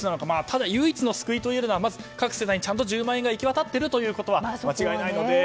ただ、唯一の救いと言えるのがまず各世帯にちゃんと１０万円がいきわたっているということは間違いないので。